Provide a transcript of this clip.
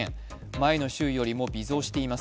前の週よりも微増しています。